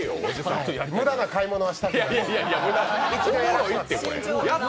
無駄な買い物はしたくない。